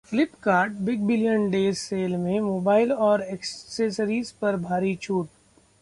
Flipkart big billion days sale में mobile और accessories पर भारी छूट